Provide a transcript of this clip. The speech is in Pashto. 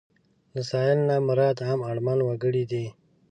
له سايل نه مراد عام اړمن وګړي دي.